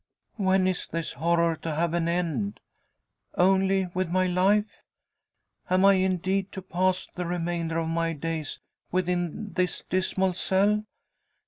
"When is this horror to have an end? Only with my life? Am I, indeed, to pass the remainder of my days within this dismal cell?